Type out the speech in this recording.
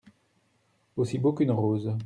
Aussi beau qu’une rose.